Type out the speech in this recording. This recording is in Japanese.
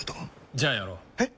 じゃあやろう。え？